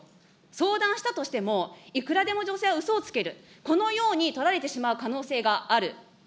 相談したとしても、いくらでも女性はうそをつける、このように取られてしまう可能性がある。